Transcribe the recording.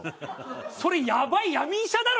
それやばい闇医者だろ！